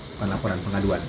bukan laporan pengaduan